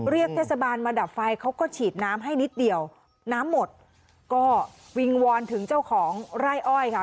เรียกเทศบาลมาดับไฟเขาก็ฉีดน้ำให้นิดเดียวน้ำหมดก็วิงวอนถึงเจ้าของไร่อ้อยค่ะ